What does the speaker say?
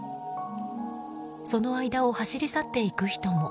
その間を走り去っていく人も。